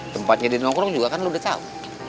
tempatnya di nongkrong juga kan lo udah tau